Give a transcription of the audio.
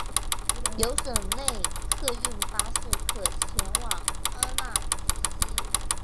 有省内客运巴士可前往阿讷西。